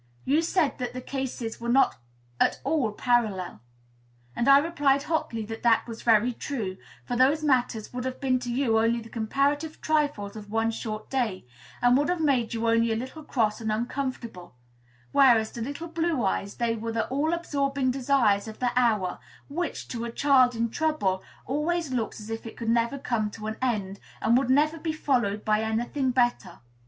You said that the cases were not at all parallel; and I replied hotly that that was very true, for those matters would have been to you only the comparative trifles of one short day, and would have made you only a little cross and uncomfortable; whereas to little Blue Eyes they were the all absorbing desires of the hour, which, to a child in trouble, always looks as if it could never come to an end, and would never be followed by any thing better.